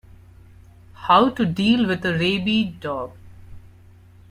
How to deal with a rabid dog.